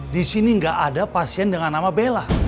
disini gak ada pasien dengan nama bella